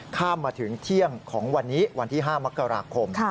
ข้ามมาถึงเที่ยงของวันนี้วันที่๕มกราคม